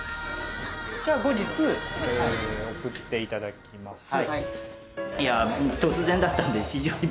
じゃあ後日送っていただきます。